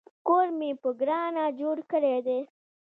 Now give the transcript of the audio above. کور مې په ګرانه جوړ کړی دی